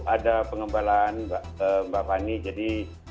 ada pengembalaan mbak fani jadi